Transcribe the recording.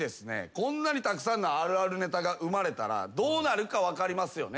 こんなにたくさんのあるあるネタが生まれたらどうなるか分かりますよね？